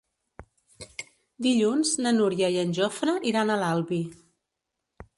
Dilluns na Núria i en Jofre iran a l'Albi.